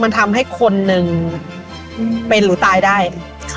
มันทำให้คนนึงอืมเป็นหรือตายได้ค่ะ